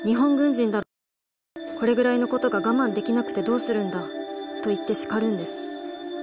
これぐらいのことが我慢できなくてどうするんだ』と言って叱るんです。